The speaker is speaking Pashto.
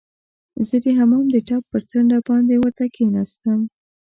زه د حمام د ټپ پر څنډه باندې ورته کښیناستم.